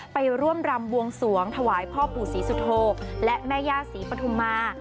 ไปร่วมรำบวงสวงถวายพ่อปู่ศรีสุโธและแม่ย่าศรีปฐุมา